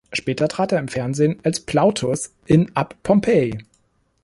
Später trat er im Fernsehen als Plautus in "Up Pompeii!